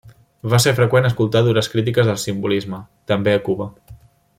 Va ser freqüent escoltar dures crítiques del simbolisme, també a Cuba.